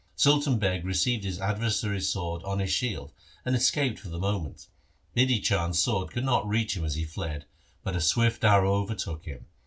Sultan Beg received his adversary's sword on his shield, and escaped for the moment. Bidhi Chand's sword could not reach him as he fled, but a swift arrow overtook him.